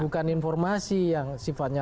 bukan informasi yang sifatnya